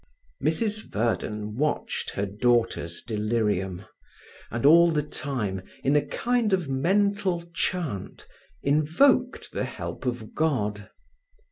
Mrs Verden watched her daughter's delirium, and all the time, in a kind of mental chant, invoked the help of God.